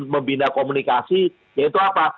membina komunikasi yaitu apa